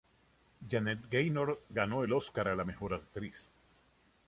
Janet Gaynor ganó el Oscar a la mejor actriz.